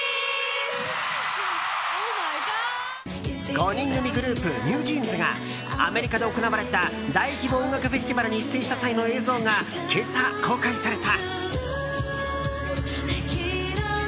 ５人組グループＮｅｗＪｅａｎｓがアメリカで行われた大規模音楽フェスティバルに出演した際の映像が今朝、公開された。